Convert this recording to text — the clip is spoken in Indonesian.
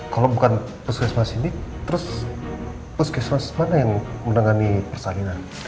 kalau bukan puskesmas ini terus puskesmas mana yang menangani persalinan